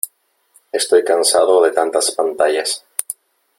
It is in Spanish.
Estoy cansado de tantas pantallas.